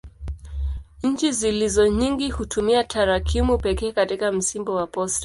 Nchi zilizo nyingi hutumia tarakimu pekee katika msimbo wa posta.